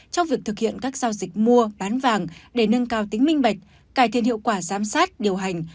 trong việc thực hiện các giao dịch mua bán vàng để nâng cao tính minh bạch cải thiện hiệu quả giám sát điều hành